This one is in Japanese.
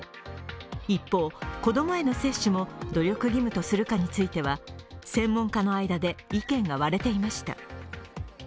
一方、子供への接種も努力義務とするかについては専門家の間で意見が割れていました。